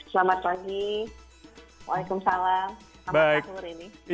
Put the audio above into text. selamat pagi waalaikumsalam selamat sore ini